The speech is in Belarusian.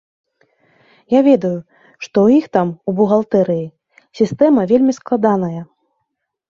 Я ведаю, што ў іх там, у бухгалтэрыі, сістэма вельмі складаная.